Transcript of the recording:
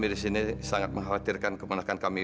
tapi kami sangat khawatir tentang kebenarkan kami